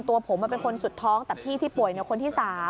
ตัวผมเป็นคนสุดท้องแต่พี่ที่ป่วยคนที่๓